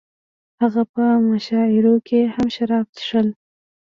هغه په مشاعرو کې هم شراب څښل